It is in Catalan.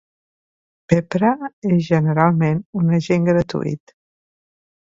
Peprah és generalment un agent gratuït.